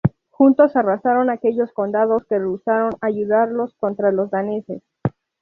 Juntos arrasaron aquellos condados que rehusaron ayudarlos contra los daneses.